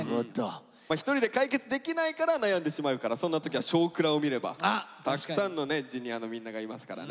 一人で解決できないから悩んでしまうからそんな時は「少クラ」を見ればたくさんのＪｒ．のみんながいますからね。